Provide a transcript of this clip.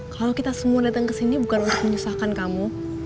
kalau kita semua datang kesini bukan untuk menyusahkan kamu